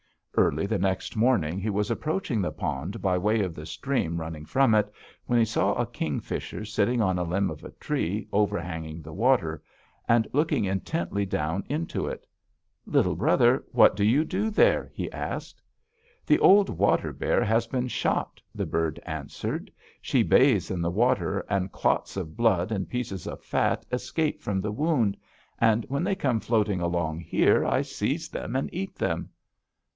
"Early the next morning he was approaching the pond by way of the stream running from it, when he saw a kingfisher sitting on a limb of a tree overhanging the water, and looking intently down into it: 'Little brother, what do you there?' he asked. "'The old water bear has been shot,' the bird answered. 'She bathes in the water, and clots of blood and pieces of fat escape from the wound, and when they come floating along here I seize them, and eat them.'